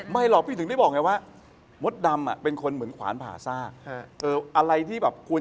ไม่ลอกถึงได้บอกไงวะหมดดำเป็นคนเหมือนขวานผาจากเอออะไรที่แบบควร